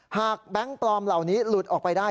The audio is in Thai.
แบงค์ปลอมเหล่านี้หลุดออกไปได้